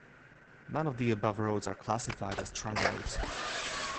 None of the above roads are classified as trunk roads.